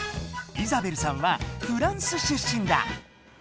イザベルさんはフランス出身だ。